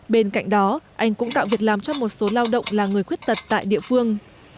bên cạnh đó anh cũng tạo việc làm cho một số lao động là người khuyết tật tại địa phương